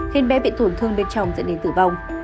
khiến bé bị tổn thương bên trong dẫn đến tử vong